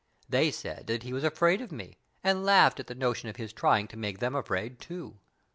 They said that he was afraid of me, and laughed at the notion of his trying to make them afraid too.